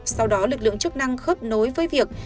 sau đó lực lượng chức năng khớp nối với việc